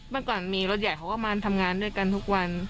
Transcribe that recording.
เมื่อก่อนมีรถใหญ่เขาก็มาทำงานด้วยกันทุกวัน